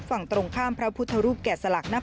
วันที่สุดวันที่สุด